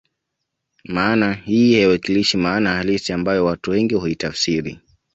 Maana hii haiwakilishi maana halisi ambayo watu wengi huitafsiri